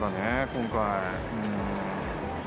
今回。